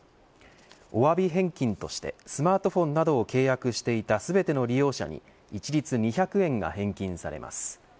おわび返金としてスマートフォンなどを契約していた全ての利用者に一律２００円が返金されます。